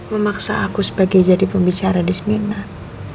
memaksa aku sebagai jadi pembicara di seminar